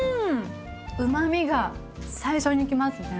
うまみが最初にきますね。